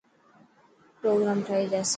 پروگرام ٺهي جاسي.